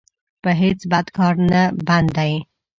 په هېڅ بد کار نه بند دی.